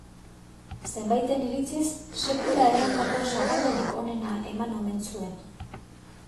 Zenbaiten iritziz, sekula edandako sagardorik onena eman omen zuen.